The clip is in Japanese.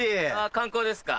観光ですか？